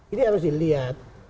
ini harus dilihat